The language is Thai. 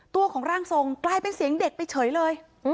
ตัวของร่างทรงกลายเป็นเสียงเด็กไปเฉยเลย